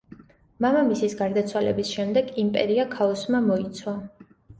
მამამისის გარდაცვალების შემდეგ იმპერია ქაოსმა მოიცვა.